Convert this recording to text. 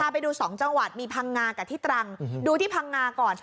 ไปดู๒จังหวัดมีพังงากับที่ตรังดูที่พังงาก่อน